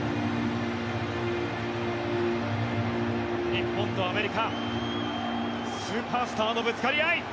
日本とアメリカスーパースターのぶつかり合い。